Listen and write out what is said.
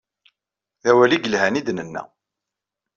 D awal i yelhan i d-nenna.